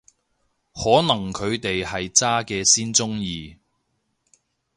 可能佢哋係渣嘅先鍾意